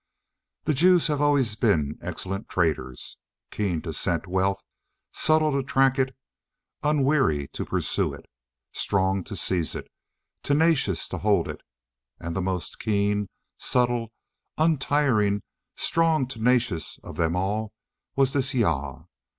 The Jews have always been excellent traders, keen to scent wealth, subtle to track it, unweary to pursue it, strong to seize it, tenacious to hold it; and the most keen, subtle, untiring, strong, tenacious of them all, was this Jah.